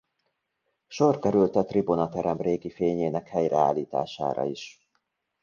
Sor került a Tribuna-terem régi fényének helyreállítására is.